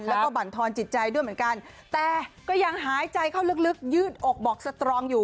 แล้วก็บรรทอนจิตใจด้วยเหมือนกันแต่ก็ยังหายใจเข้าลึกยืดอกบอกสตรองอยู่